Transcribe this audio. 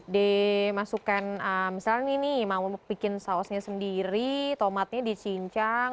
dimasukkan misalnya nih mau bikin sausnya sendiri tomatnya dicincang